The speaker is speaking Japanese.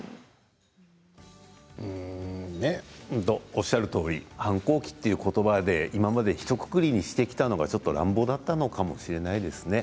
おっしゃるとおり反抗期ということばで今までひとくくりにしてきたのがちょっと乱暴だったのかもしれないですね。